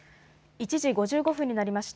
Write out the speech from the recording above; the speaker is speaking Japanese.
１時５５分になりました。